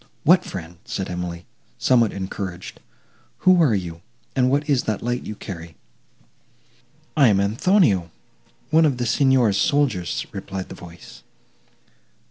"What friend?" said Emily, somewhat encouraged "who are you, and what is that light you carry?" "I am Anthonio, one of the Signor's soldiers," replied the voice.